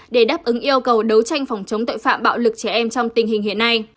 để đáp ứng yêu cầu đấu tranh phòng chống tội phạm bạo lực trẻ em trong tình hình hiện nay